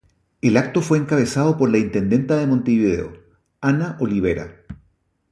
El acto fue encabezado por la intendenta de Montevideo, Ana Olivera.